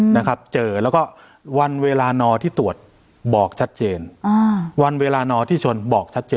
นะครับเจอแล้วก็วันเวลานอที่ตรวจบอกชัดเจนอ่าวันเวลานอที่ชนบอกชัดเจน